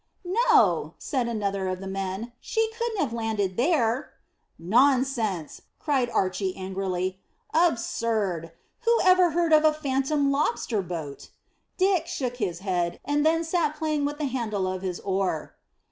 "No," said another of the men. "She couldn't have landed there." "Nonsense!" cried Archy angrily. "Absurd! Who ever heard of a phantom lobster boat?" Dick shook his head, and then sat playing with the handle of his oar.